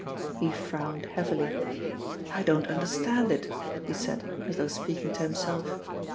He frowned heavily. "I don't understand it," he said as though speaking to himself.